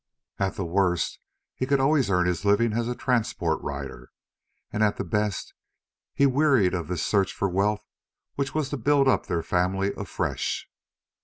At the worst he could always earn his living as a transport rider, and at the best he wearied of this search for wealth which was to build up their family afresh.